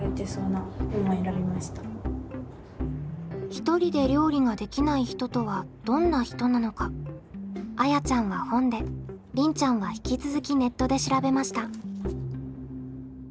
ひとりで料理ができない人とはどんな人なのかあやちゃんは本でりんちゃんは引き続きネットで調べました。